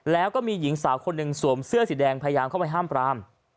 แล้วก็มีหญิงสาวคนหนึ่งสวมเสื้อสีแดงพยายามเข้าไปห้ามปราม